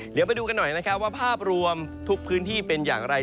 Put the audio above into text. เดี๋ยวไปดูกันหน่อยนะครับว่าภาพรวมทุกพื้นที่เป็นอย่างไร